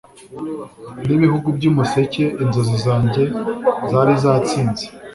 n'ibihugu by'umuseke inzozi zanjye zari zatsinze